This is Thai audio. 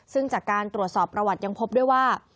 ซึ่งจากการตรวจสอบประวัติยังพบด้วยว่า